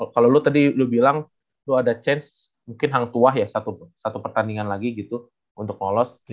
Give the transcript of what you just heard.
kalau lo tadi lu bilang lo ada chance mungkin hang tuah ya satu pertandingan lagi gitu untuk lolos